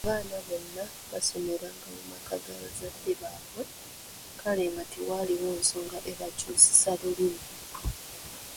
Abaana bonna baasomeranga mu maka ga bazadde baabwe kale nga tewaliiwo nsonga ebakyusisa Lulimi.